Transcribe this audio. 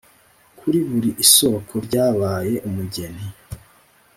kuri buri isoko ryabaye umugeni,